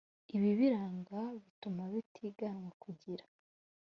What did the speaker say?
ibibiranga bituma bitiganwa kugira